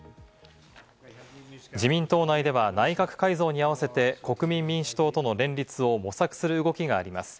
自民党内では内閣改造に合わせて、国民民主党との連立を模索する動きがあります。